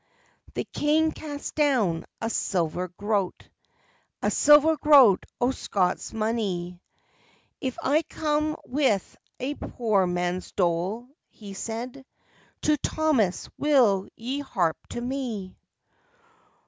The King cast down a silver groat, A silver groat o' Scots money, "If I come with a poor man's dole," he said, "True Thomas, will ye harp to me?"